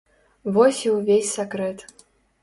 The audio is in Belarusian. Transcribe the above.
Вось і ўвесь сакрэт.